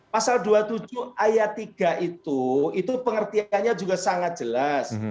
pasal dua puluh tujuh ayat tiga itu itu pengertiannya juga sangat jelas